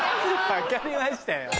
分かりましたよ。